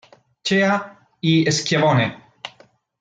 Shea y Schiavone.